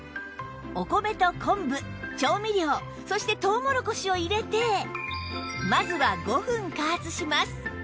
お米と昆布調味料そしてとうもろこしを入れてまずは５分加圧します